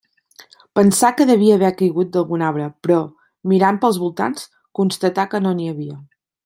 Pensà que devia haver caigut d'algun arbre, però, mirant pels voltants, constatà que no n'hi havia.